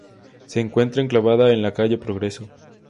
Se encuentra enclavada en la calle Progreso.